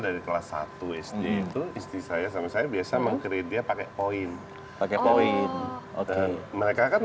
dari kelas satu sd itu istri saya sama saya biasa meng create dia pakai poin pakai poin dan mereka kan